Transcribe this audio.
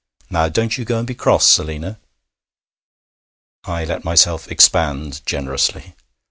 Now, don't you go and be cross, Selina.' I let myself expand generously.